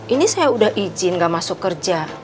ini saya udah izin gak masuk kerja